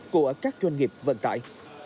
của các doanh nghiệp vận tải